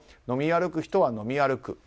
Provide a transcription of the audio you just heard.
飲み歩く人は飲み歩く。